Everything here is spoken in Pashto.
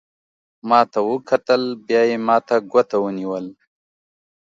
ما ته وکتل، بیا یې ما ته ګوته ونیول.